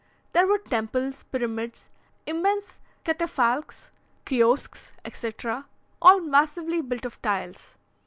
There were temples, pyramids, immense catafalques, kiosks, etc., all massively built of tiles.